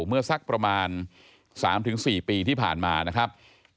เมื่อสักประมาณ๓๔ปีที่ผ่านมานะครับ